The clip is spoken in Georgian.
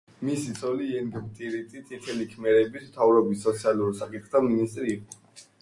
მისი ცოლი იენგ ტირიტი წითელი ქმერების მთავრობის სოციალურ საკითხთა მინისტრი იყო.